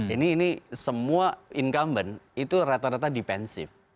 ini semua incumbent itu rata rata defensif